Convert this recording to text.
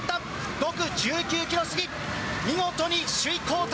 ５区１９キロ過ぎ、見事に首位交代。